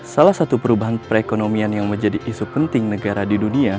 salah satu perubahan perekonomian yang menjadi isu penting negara di dunia